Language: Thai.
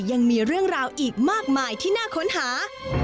ยังมีเรื่องราวอีกมากมายที่น่าค้นหา